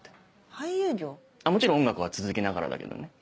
もちろん音楽は続けながらだけどね。